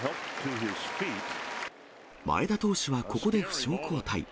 前田投手はここで負傷交代。